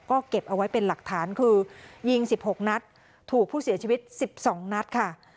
ก็เก็บเอาไว้เป็นหลักฐานคือยิง๑๖นัดถูกผู้เสียชีวิต๑๒นัดค่ะ